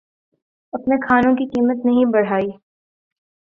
اپنے کھانوں کی قیمت نہیں بڑھائی